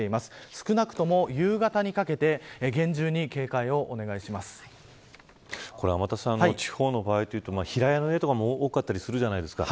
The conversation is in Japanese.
少なくとも、夕方にかけて天達さん、地方の場合というと平屋の家も多かったりするじゃないですか。